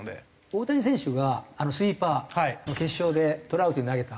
大谷選手がスイーパー決勝でトラウトに投げた。